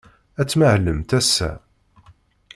Ad tmahlemt ass-a?